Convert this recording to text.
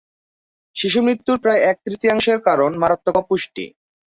শিশুমৃত্যুর প্রায় এক-তৃতীয়াংশের কারণ মারাত্মক অপুষ্টি।